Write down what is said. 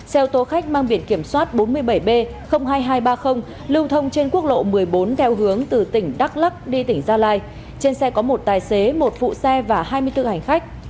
xe ô tô khách mang biển kiểm soát bốn mươi bảy b hai nghìn hai trăm ba mươi lưu thông trên quốc lộ một mươi bốn theo hướng từ tỉnh đắk lắc đi tỉnh gia lai trên xe có một tài xế một phụ xe và hai mươi bốn hành khách